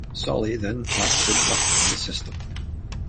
Solly then taught Sid Luckman the system.